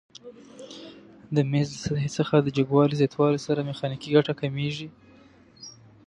د میز له سطحې څخه د جګوالي زیاتوالي سره میخانیکي ګټه کمیږي؟